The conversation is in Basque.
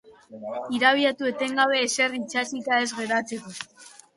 Irabiatu etengabe ezer itsatsita ez geratzeko.